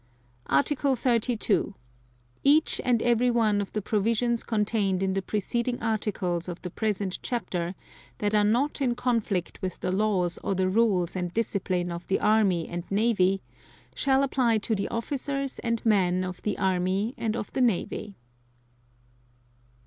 Article 32. Each and every one of the provisions contained in the preceding Articles of the present Chapter, that are not in conflict with the laws or the rules and discipline of the Army and Navy, shall apply to the officers and men of the Army and of the Navy.